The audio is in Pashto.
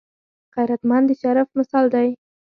غیرتمند د شرف مثال دی